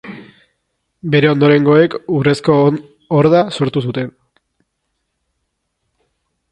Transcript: Bere ondorengoek Urrezko Horda sortu zuten.